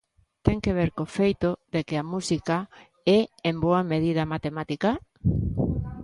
Ten que ver co feito de que a música é, en boa medida, matemática?